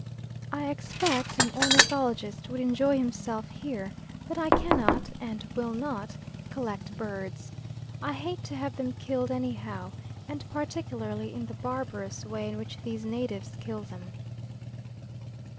I expect an ornithologist would enjoy himself here, but I cannot and will not collect birds. I hate to have them killed any how, and particularly in the barbarous way in which these natives kill them.